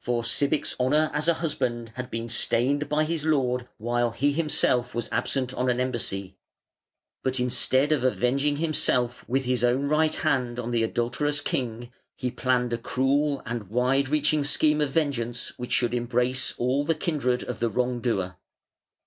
For Sibich's honour as a husband had been stained by his lord while he himself was absent on an embassy; but instead of avenging himself with his own right hand on the adulterous king, he planned a cruel and wide reaching scheme of vengeance which should embrace all the kindred of the wrong doer.